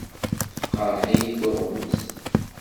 Teqreḥ-iyi tuɣmest.